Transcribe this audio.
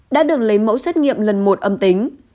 đã được lấy mẫu xét nghiệm lần một âm tính